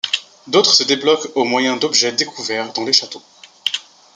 D'autres se débloquent au moyen d'objets découverts dans les châteaux.